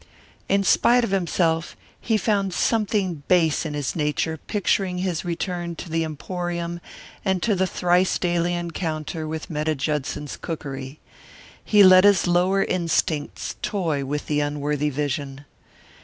In spite of himself he found something base in his nature picturing his return to the emporium and to the thrice daily encounter with Metta Judson's cookery. He let his lower instincts toy with the unworthy vision.